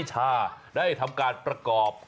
เค้าช่วยประกอบ